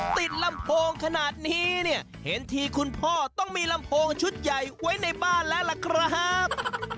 ลำโพงขนาดนี้เนี่ยเห็นทีคุณพ่อต้องมีลำโพงชุดใหญ่ไว้ในบ้านแล้วล่ะครับ